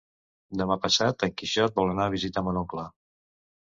Demà passat en Quixot vol anar a visitar mon oncle.